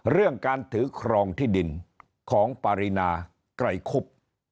เรื่องการถือครองที่ดินของปรินาไกรคุบ